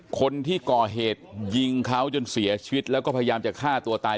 คนที่ก่อเหตุยิงเขาจนเสียชีวิตแล้วก็พยายามจะฆ่าตัวตาย